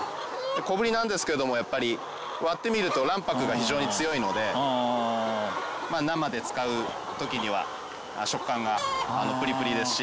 小ぶりなんですけれどもやっぱり割ってみると卵白が非常に強いので生で使う時には食感がプリプリですし。